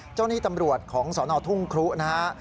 เจ้าหน้าที่ตำรวจของสนทุ่งครุนะฮะ